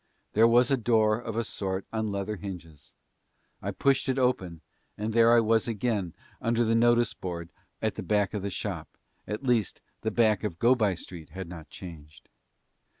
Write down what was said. There was a door of a sort on leather hinges. I pushed it open and there I was again under the notice board at the back of the shop, at least the back of Go by Street had not changed.